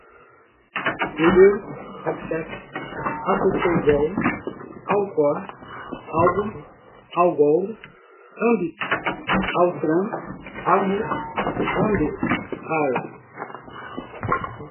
able, abset, acucobol, alcor, algo, algol, ambit, altran, amos, ample, arla